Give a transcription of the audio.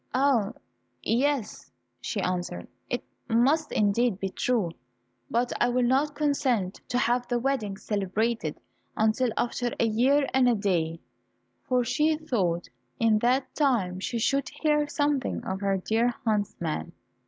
"Ah, yes," she answered, "it must indeed be true, but I will not consent to have the wedding celebrated until after a year and a day," for she thought in that time she should hear something of her dear huntsman.